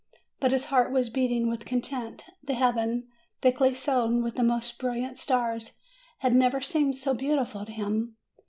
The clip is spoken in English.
But his heart was beating with content. The heaven, thickly sown with the most brilliant stars, had never seemed so beautiful to him.